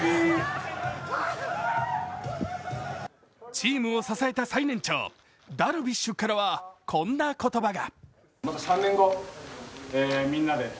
チームを支えた最年長、ダルビッシュからはこんな言葉が。